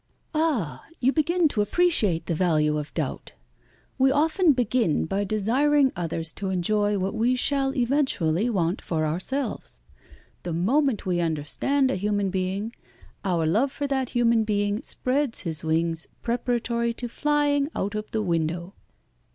"Ah! you begin to appreciate the value of doubt. We often begin by desiring others to enjoy what we shall eventually want for ourselves. The moment we understand a human being, our love for that human being spreads his wings preparatory to flying out of the window."